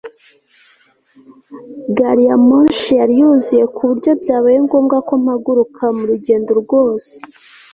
gari ya moshi yari yuzuye ku buryo byabaye ngombwa ko mpaguruka mu rugendo rwose